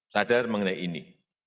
sadar mengenai ini